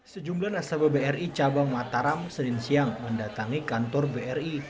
sejumlah nasabah bri cabang mataram senin siang mendatangi kantor bri